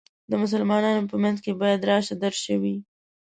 د مسلمانانو په منځ کې باید راشه درشه وي.